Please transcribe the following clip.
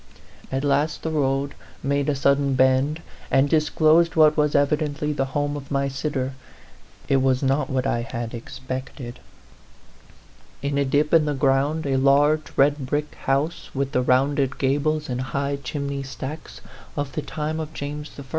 At last the road made a sud den bend, and disclosed what was evidently the home of my sitter. It was not what I had expected. In a dip in the ground a large red brick house, with the rounded gables and high chimney stacks of the time of James I.